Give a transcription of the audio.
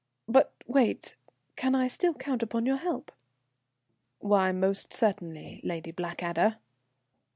But wait. Can I still count upon your help?" "Why, most certainly, Lady Blackadder."